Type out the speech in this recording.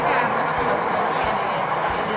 biasanya aku pakai terkunci online